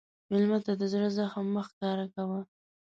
مېلمه ته د زړه زخم مه ښکاره کوه.